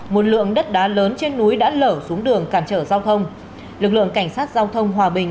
một lượng đất đá lớn trên núi đã lở xuống đường cản trở giao thông lực lượng cảnh sát giao thông hòa bình